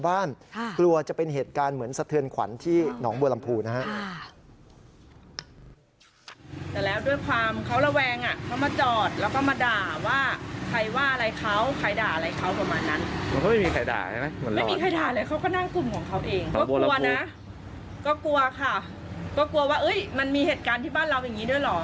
ก็กลัวนะก็กลัวค่ะก็กลัวว่ามันมีเหตุการณ์ที่บ้านเราอย่างนี้ด้วยหรอ